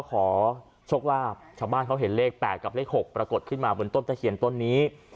มาแล้วก็ขอโชคว่าชาวบ้านเขาเห็นเลข๘กับเลข๖ปรากฏขึ้นมาเหมือนต้นตะเคียนต้นนี้